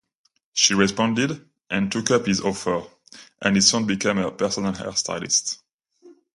She responded and took up his offer, and he soon became her personal hairstylist.